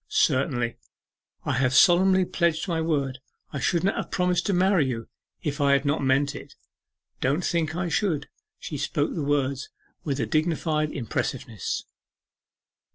'Certainly, I have solemnly pledged my word; I should not have promised to marry you if I had not meant it. Don't think I should.' She spoke the words with a dignified impressiveness.